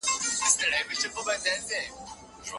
د سولي لپاره نړیوال هوډ د انسانیت خیر غواړي.